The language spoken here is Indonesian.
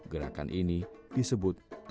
gerakan ini disebut penutup